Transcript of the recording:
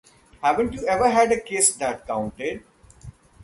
Haven't you ever had a kiss that counted?